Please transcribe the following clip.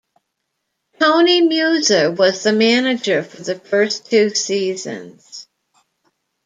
Tony Muser was the manager for the first two seasons.